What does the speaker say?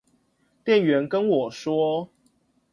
店員跟我說